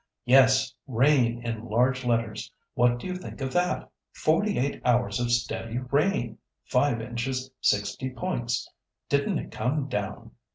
"Yes, rain in large letters! What do you think of that? Forty eight hours of steady rain! Five inches sixty points! Didn't it come down!